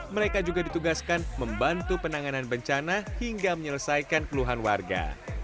mereka juga ditugaskan membantu penanganan bencana hingga menyelesaikan keluhan warga